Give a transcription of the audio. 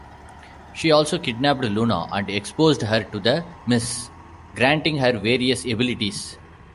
He also kidnapped Luna and exposed her to the mists, granting her various abilities.